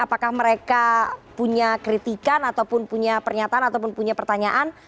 apakah mereka punya kritikan ataupun punya pernyataan ataupun punya pertanyaan